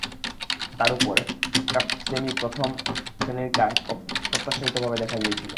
তার উপর, একটা সেমি-প্রথম শ্রেণির কার্স অপ্রত্যাশিতভাবে দেখা দিয়েছিলো।